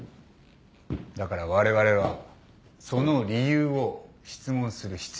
だからわれわれはその理由を質問する必要があるわけだ。